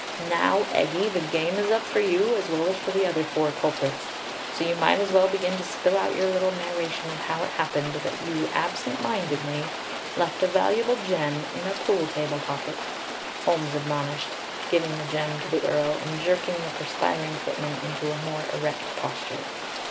"Now, Eggie, the game is up for you as well as for the other four culprits, so you might as well begin to spill out your little narration of how it happened that you absent mindedly left a valuable gem in a pool table pocket," Holmes admonished, giving the gem to the Earl and jerking the perspiring footman into a more erect posture.